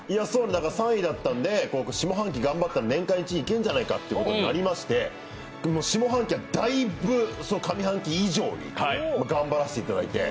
３位だったので、下半期頑張ったら年間１位いけるんじゃないかということになりまして下半期はだいぶ上半期以上に頑張らせていただいて。